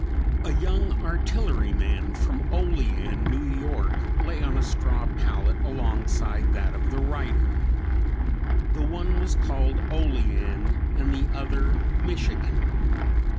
A young artilleryman from Olean, New York, lay on a straw pallet alongside that of the writer. The one was called "Olean" and the other "Michigan."